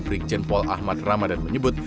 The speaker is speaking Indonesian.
brikjen pol ahmad ramadan menyebut